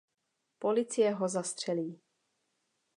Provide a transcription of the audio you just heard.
Policie ho zastřelí.